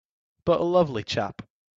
But a lovely chap!